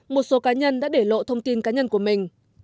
một số cá nhân đã để lộ thông tin cá nhân của mình